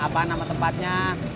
apa nama tempatnya